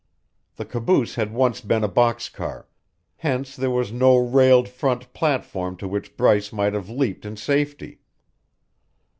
The caboose had once been a box car; hence there was no railed front platform to which Bryce might have leaped in safety.